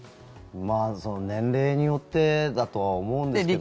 まあ年齢によってだとは思うんですけどね。